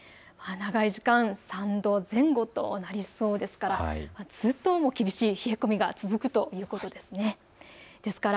長い時間３度前後となりそうですからずっと厳しい冷え込みが続くということです。